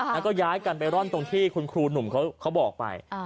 แล้วก็ย้ายกันไปร่อนตรงที่คุณครูหนุ่มเขาบอกไป